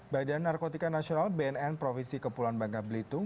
badan narkotika nasional bnn provinsi kepulauan bangka belitung